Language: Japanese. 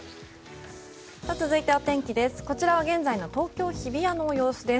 続いて、お天気です。